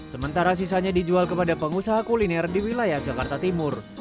sementara sisanya dijual kepada pengusaha kuliner di wilayah jakarta timur